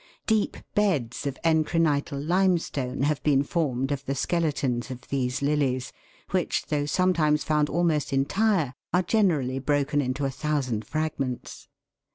Deep beds of encrihital limestone have been formed of the skeletons of these lilies, which, though sometimes found almost entire, are generally broken into a thousand fragments.